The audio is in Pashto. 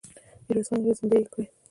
ميرويس خان وويل: زندۍ يې کړئ!